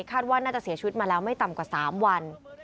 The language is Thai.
ว่าน่าจะเสียชีวิตมาแล้วไม่ต่ำกว่า๓วัน